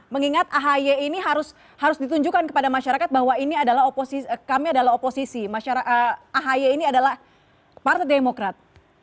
mengingat ahy ini harus ditunjukkan kepada masyarakat bahwa ini adalah kami adalah oposisi ahy ini adalah partai demokrat